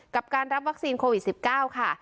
กับการรับวัคซีนโควิด๑๙ค่ะ